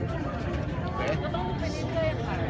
แม่กับผู้วิทยาลัย